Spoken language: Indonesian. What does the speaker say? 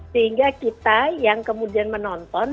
sehingga kita yang kemudian menonton